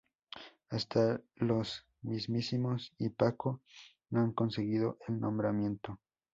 Hasta los mísmisimos... y Paco no ha conseguido el nombramiento